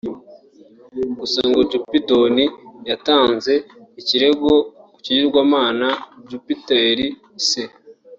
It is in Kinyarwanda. Gusa ngo Cupidon yatanze ikirego ku kigirwamana Jupiteri se